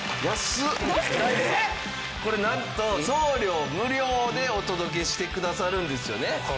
これなんと送料無料でお届けしてくださるんですよね？